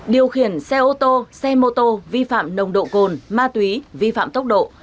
điều khiển xe ô tô xe mô tô vi phạm nồng độ cồn ma túy vi phạm tốc độ